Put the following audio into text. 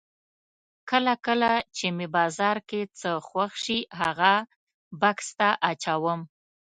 کله کله چې مې بازار کې څه خوښ شي هغه بکس ته اچوم.